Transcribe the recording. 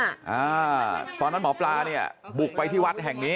อ่าตอนนั้นหมอปลาเนี่ยบุกไปที่วัดแห่งนี้